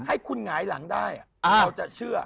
ให้คุณหงายหลังได้เราจะเชื่อ